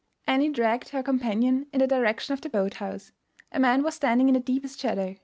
Annie dragged her companion in the direction of the boat house. A man was standing in the deepest shadow.